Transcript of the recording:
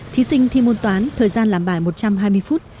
thí sinh thi môn toán thời gian làm bài một trăm hai mươi phút